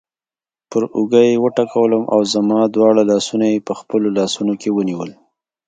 پر اوږه یې وټکولم او زما دواړه لاسونه یې په خپلو لاسونو کې ونیول.